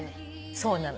そうなの。